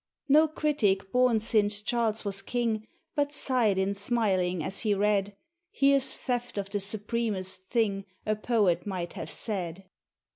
No critic born since Charles was king, But sighed in smiling, as he read: "Here's theft of the supremest thing A poet might have said!"